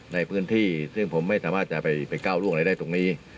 ในพื้นที่ซึ่งผมไม่สามารถจะไปก้าวร่วงอะไรได้ตรงนี้